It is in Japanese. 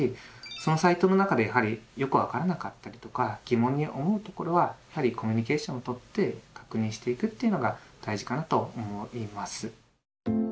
そのサイトの中でよく分からなかったりとか疑問に思うところはやはりコミュニケーションをとって確認していくというのが大事かなと思います。